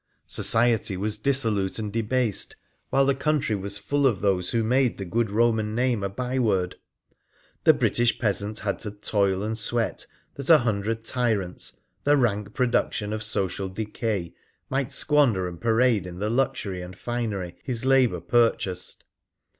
Society was dissolute and debased, while the country was full of those who made the good Eoman name a byword. The British peasant had to toil and sweat that a hundred tyrants, the rank production of social decay, might squander and parade in the luxury and finery his labour pur chased.